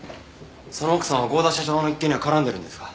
その奥さんは合田社長の一件には絡んでるんですか？